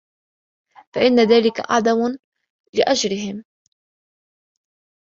فَإِنَّ ذَلِكَ أَعْظَمُ لِأَجْرِهِمْ